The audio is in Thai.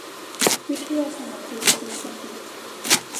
วิทยาศาสตร์ดุษฎีบัณฑิต